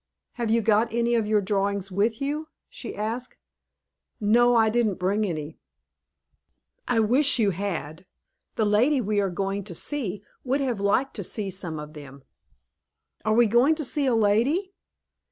"Have you got any of your drawings with you?" she asked. "No, I didn't bring any." "I wish you had; the lady we are going to see would have liked to see some of them." "Are we going to see a lady?"